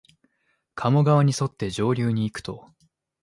加茂川にそって上流にいくと、